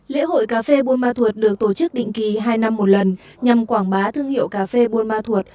lễ hội cà phê buôn ma thuột được tổ chức định kỳ hai năm một lần nhằm quảng bá thương hiệu cà phê buôn ma thuột